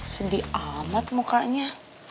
sedih amat mukanya